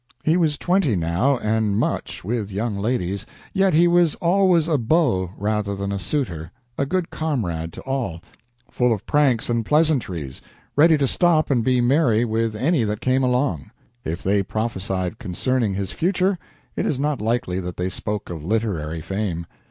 He was twenty now, and much with young ladies, yet he was always a beau rather than a suitor, a good comrade to all, full of pranks and pleasantries, ready to stop and be merry with any that came along. If they prophesied concerning his future, it is not likely that they spoke of literary fame.